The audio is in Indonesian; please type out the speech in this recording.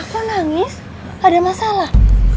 kok nangis ada masalah